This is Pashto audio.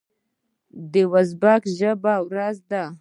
د ازبکي ژبې ورځ ده.